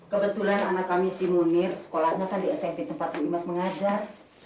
kebetulan anak kami si munir sekolahnya kan di smp tempat bu imas mengajar